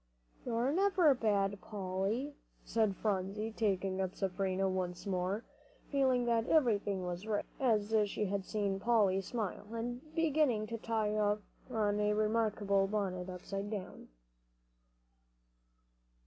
"You're never bad, Polly," said Phronsie, taking up Seraphina once more, feeling that everything was right, as she had seen Polly smile, and beginning to tie on a remarkable bonnet upside down.